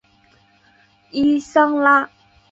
伊桑拉。